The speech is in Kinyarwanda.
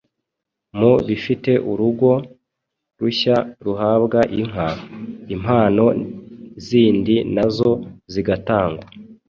Mu bifite urugo rushya ruhabwa inka, impano zindi na zo zigatangwa